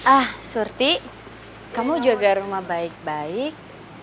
ah surti kamu jaga rumah baik baik